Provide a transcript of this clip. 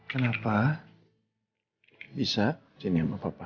kenapa bisa senyum apa apa